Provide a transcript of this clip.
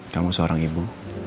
kamu seorang ibu